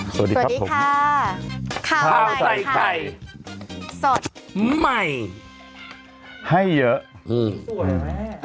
สวัสดีครับผมสวัสดีค่ะข้าวใส่ไข่สดใหม่ให้เยอะอืมสวยไหม